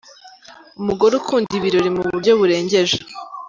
Umugore ukunda ibirori mu buryo burengeje .